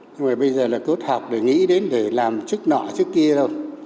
nhưng mà bây giờ là cốt học để nghĩ đến để làm chức nọ trước kia đâu